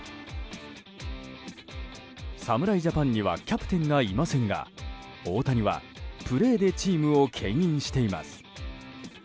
侍ジャパンにはキャプテンがいませんが大谷はプレーでチームを牽引しています。